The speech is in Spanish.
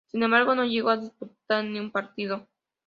Sin embargo, no llegó a disputar ni un partido.